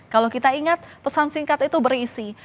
kalau kita ingat pesan singkat itu berisi